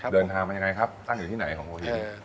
เดินทางไปยังไงครับตั้งอยู่ที่ไหนของวิทยาลัยวันโอหิน